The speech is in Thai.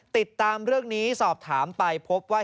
ติดตามเรื่องนี้สอบถามไปพบว่า